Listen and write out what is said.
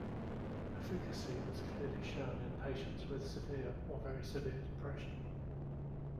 Efficacy was clearly shown in patients with severe or very severe depression.